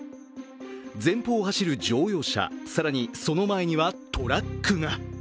前方を走る乗用車、更にその前にはトラックが。